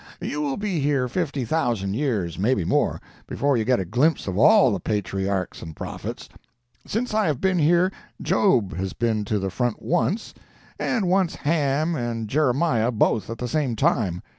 You will be here fifty thousand years—maybe more—before you get a glimpse of all the patriarchs and prophets. Since I have been here, Job has been to the front once, and once Ham and Jeremiah both at the same time.